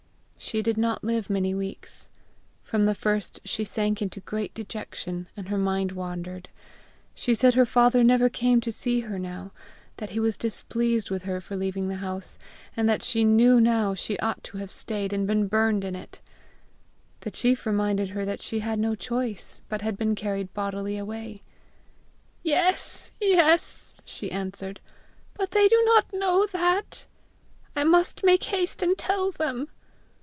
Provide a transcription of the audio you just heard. She did not live many weeks. From the first she sank into great dejection, and her mind wandered. She said her father never came to see her now; that he was displeased with her for leaving the house; and that she knew now she ought to have stayed and been burned in it. The chief reminded her that she had no choice, but had been carried bodily away. "Yes, yes," she answered; "but they do not know that! I must make haste and tell them!